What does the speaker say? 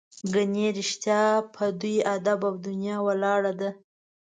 ګنې رښتیا په دوی ادب او دنیا ولاړه ده.